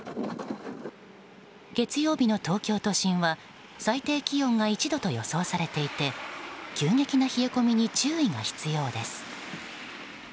月曜日の東京都心は最低気温が１度を予想されていて急激な冷え込みに注意が必要です。